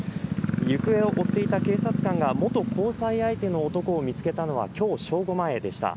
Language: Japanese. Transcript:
行方を追っていた警察官が元交際相手の男を見つけたのは、きょう正午前でした。